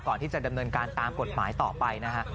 ก่อนที่จะดำเนินการตามกฎหมายต่อไปนะฮะ